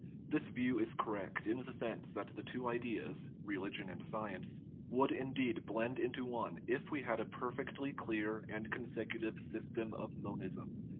This view is correct in the sense that the two ideas, religion and science, would indeed blend into one if we had a perfectly clear and consec , utive system of monism.